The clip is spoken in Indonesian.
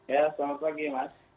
ya selamat pagi mas